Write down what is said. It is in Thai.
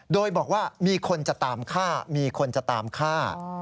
โดยบอกว่ามีคนจะตามฆ่ามีคนจะตามฆ่า